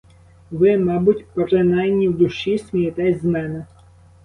Ви, мабуть, принаймні в душі, смієтесь з мене.